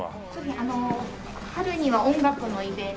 あの春には音楽のイベント。